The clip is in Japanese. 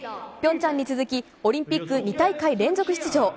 ピョンチャンに続き、オリンピック２大会連続出場。